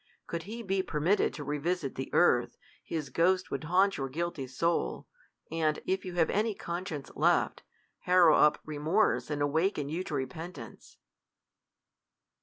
Could he be permit ted to revisit the earth, his ghost would haunt your guilty soul ; and, if you have any conscience left, harrow up remorse, and awaken you to repentance.